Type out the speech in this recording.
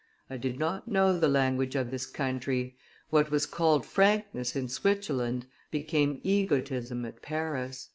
"I did not know the language of this country. What was called frankness in Switzerland became egotism at Paris."